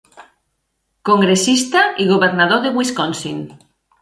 Congressista i governador de Wisconsin.